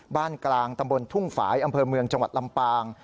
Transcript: กลางตำบลทุ่งฝ่ายอำเภอเมืองจังหวัดลำปาง